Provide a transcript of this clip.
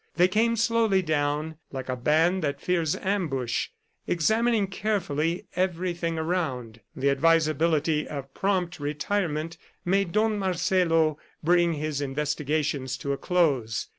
They came slowly down, like a band that fears ambush, examining carefully everything around. The advisability of prompt retirement made Don Marcelo bring his investigations to a close.